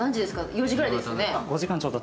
４時ぐらいですよね。